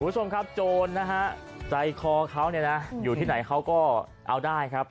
คุณผู้ชมครับโจรนะฮะใจคอเขาเนี่ยนะอยู่ที่ไหนเขาก็เอาได้ครับ